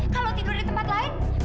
kalau tidur di tempat lain